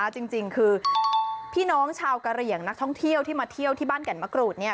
จริงคือพี่น้องชาวกะเหลี่ยงนักท่องเที่ยวที่มาเที่ยวที่บ้านแก่นมะกรูดเนี่ย